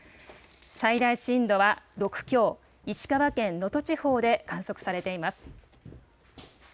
最大震度は６強、石川県能登地方で観測されています。